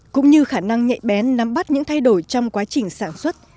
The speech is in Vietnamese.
cũng như khả năng nhạy bén nắm bắt những thay đổi trong quá trình sản xuất